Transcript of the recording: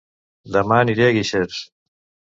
Dema aniré a Guixers